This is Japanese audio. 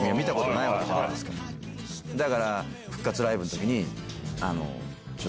だから。